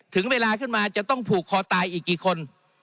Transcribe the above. ถึงเวลาขึ้นมาจะต้องผูกคอตายอีกกี่คน